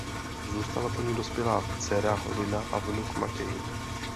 Zůstala po ní dospělá dcera Lina a vnuk Matěj.